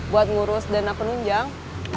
buat mengurus dana penunjang